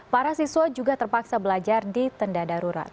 para siswa juga terpaksa belajar di tenda darurat